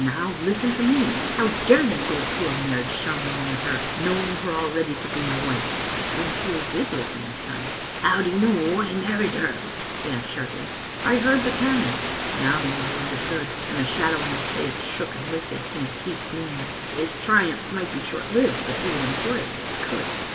Now, listen to me ; how dared you go through a marriage cere* mony with her, knowing her already to be my wife?" Rintoul did listen this time. '* How do you know I married her?" he asked sharply. " I heard the cannon." Now the earl understood, and the shadow on his face shook and lifted, and his teeth gleamed. His triumph might be short lived, but he would enjoy it while he could.